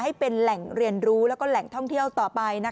ให้เป็นแหล่งเรียนรู้แล้วก็แหล่งท่องเที่ยวต่อไป